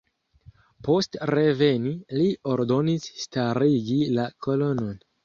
Post reveni li ordonis starigi la kolonon.